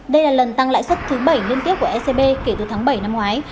đây là lần tăng lại xuất thứ bảy liên tiếp của ecb kể từ tháng bảy năm ngoái